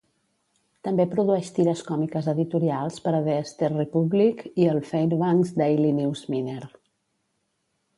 També produeix tires còmiques editorials per a "The Ester Republic" i el "Fairbanks Daily News-Miner".